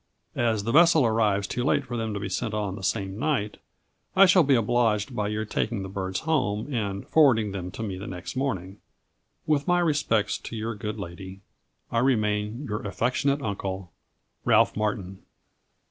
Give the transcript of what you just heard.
As the vessel arrives too late for them to be sent on the same night, I shall be obliged by your taking the birds home, and forwarding them to me the next morning. With my respects to your good lady, "I remain your affectionate uncle, "RALPH MARTIN."